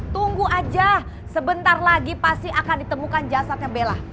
tunggu aja sebentar lagi pasti akan ditemukan jasadnya bella